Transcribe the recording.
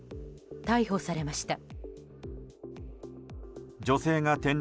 逮捕されました。